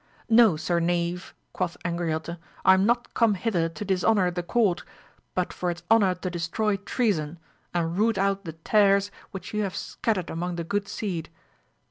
No sir knave, quoth Angriote, I am not come hither to dishonour the court, but for its honour to destroy treason, and root out the tares which you have scattered among the good seed